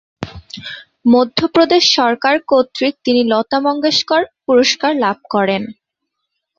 মধ্যপ্রদেশ সরকার কর্তৃক তিনি লতা মঙ্গেশকর পুরস্কার লাভ করেন।